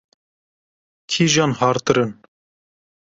Kîjan hartir in?